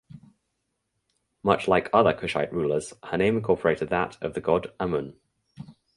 Much like other Kushite rulers her name incorporated that of the god Amun.